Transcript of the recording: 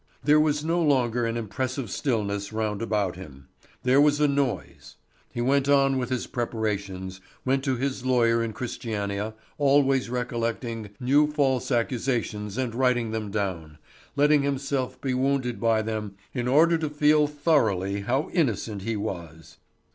There was no longer an impressive stillness round about him. There was a noise. He went on with his preparations, went to his lawyer in Christiania, always recollecting new false accusations and writing them down, letting himself be wounded by them in order to feel thoroughly how innocent he was.